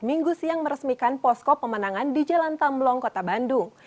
minggu siang meresmikan posko pemenangan di jalan tamblong kota bandung